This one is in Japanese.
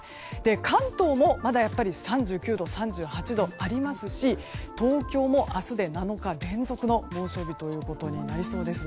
関東も、まだやっぱり３９度３８度ありますし東京も明日で７日連続の猛暑日となりそうです。